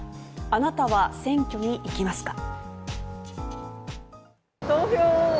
あなたは、選挙に行きますか？